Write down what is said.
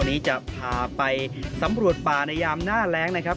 วันนี้จะพาไปสำรวจป่าในยามหน้าแรงนะครับ